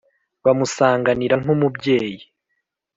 Bumusanganira nk’umubyeyi,